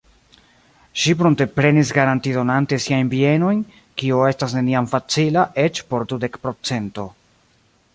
Ŝi prunteprenis garantidonante siajn bienojn, kio estas neniam facila eĉ por dudek pro cento.